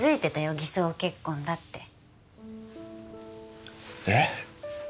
偽装結婚だってえっ！？